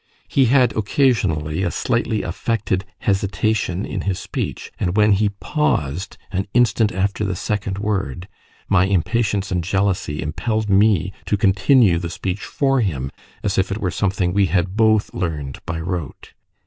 He had occasionally a slightly affected hesitation in his speech, and when he paused an instant after the second word, my impatience and jealousy impelled me to continue the speech for him, as if it were something we had both learned by rote.